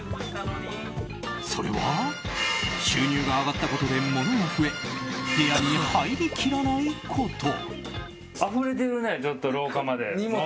それは収入が上がったことで物が増え部屋に入りきらないこと。